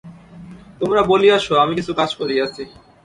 তোমরা বলিয়াছ, আমি কিছু কাজ করিয়াছি।